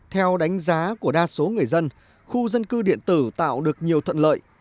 theo đánh giá của đa số người dân khu dân cư điện tử tạo được nhiều thuận lợi